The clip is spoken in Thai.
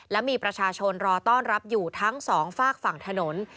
และมีประชาชนรอต้อนรับอยู่ทั้งสองฝากฝั่งถนน